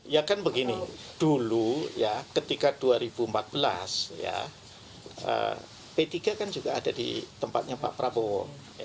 ya kan begini dulu ya ketika dua ribu empat belas ya p tiga kan juga ada di tempatnya pak prabowo